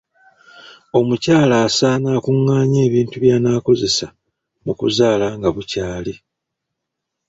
Omukyala asaana akungaanye ebintu by'anaakozesa mu kuzaala nga bukyali.